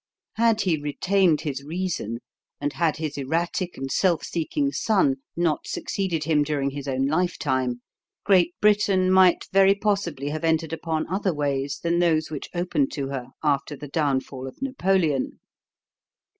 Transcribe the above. Had he retained his reason, and had his erratic and self seeking son not succeeded him during his own lifetime, Great Britain might very possibly have entered upon other ways than those which opened to her after the downfall of Napoleon.